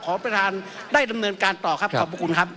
ประธานได้ดำเนินการต่อครับขอบพระคุณครับ